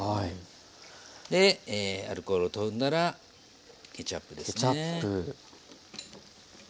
でアルコールとんだらケチャップですね。